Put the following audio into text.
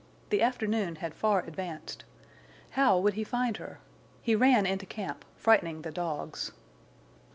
The afternoon had far advanced. How would he find her? He ran into camp, frightening the dogs.